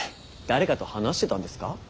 誰かと話してたんですか？